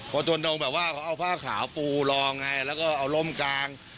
พอจนดงแบบว่าเขาเอาผ้าขาวปูรอไงแล้วก็เอาร่มกลาง